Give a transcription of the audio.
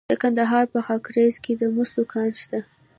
د کندهار په خاکریز کې د مسو کان شته.